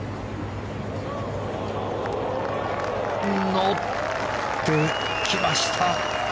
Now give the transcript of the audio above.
乗ってきました。